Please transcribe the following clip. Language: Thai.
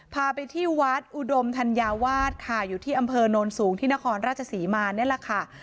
พาไปที่วัดอุดมธัญวาสค่ะอยู่ที่อำเภอโนนสูงที่นครราชศรีมานี่แหละค่ะ